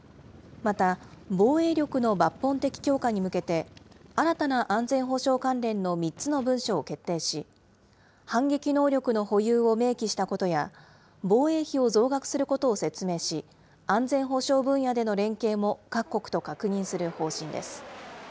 また、防衛力の抜本的強化に向けて、新たな安全保障関連の３つの文書を決定し、反撃能力の保有を明記したことや、防衛費を増額することを説明し、安全保障分野での連携も各国と確認する方針です。